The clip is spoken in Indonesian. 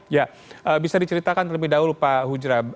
ya bisa diceritakan terlebih dahulu pak hujra